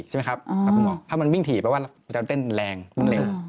ถ้ามันวิ่งถี่ก็จะเวลาเต้นรึง